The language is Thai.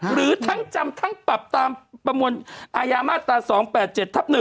หรือทั้งจำทั้งปรับตามประมวลอายามาตรา๒๘๗ทับ๑